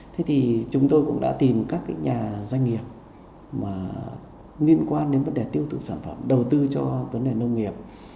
thế thì chúng tôi cũng đã tìm các nhà doanh nghiệp mà liên quan đến vấn đề tiêu thụ sản phẩm đầu tư cho vấn đề nông nghiệp